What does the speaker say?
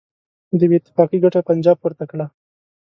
د بېاتفاقۍ ګټه یې پنجاب پورته کړي.